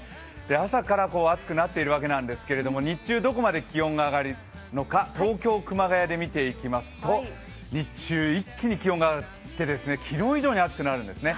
朝から暑くなっているわけなんですけれども、日中どこまで気温が上がるのか東京・熊谷で見ていくと日中一気に気温が上って昨日以上に暑くなるんですね。